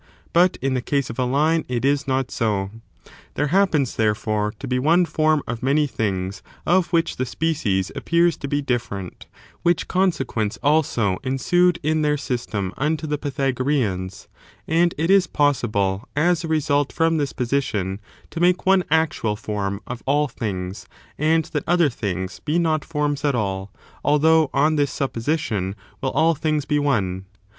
But in the case of a line it is not so. There happens, therefore, to be one form of many « a id i things of which the species appears to be different, istic solution which consequence abo ensued in their system censured*^" unto the Pythagoreans ; and it is possible, as a result from this position, to make one actual form of all things, and that other things be not forms at all, although on this supposition will all things be one.